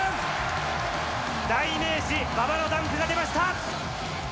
代名詞、馬場のダンクが出ました。